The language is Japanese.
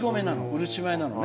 うるち米なの。